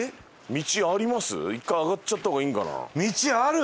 １回上がっちゃった方がいいんかな？